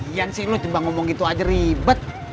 iyan sih lu cuma ngomong gitu aja ribet